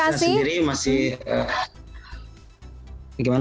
warga palestina sendiri masih bagaimana